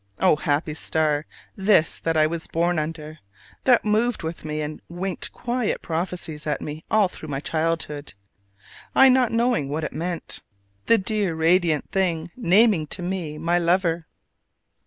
O happy star this that I was born under, that moved with me and winked quiet prophecies at me all through my childhood, I not knowing what it meant: the dear radiant thing naming to me my lover!